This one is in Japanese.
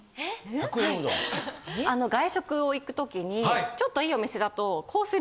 あの外食を行く時にちょっといいお店だとコース